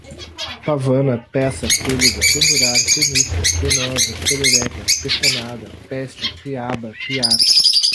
pavuna, peça, pelêga, pendurar, penita, penosa, perereca, pestanada, peste, piaba, piar